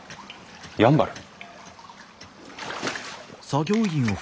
やんばる？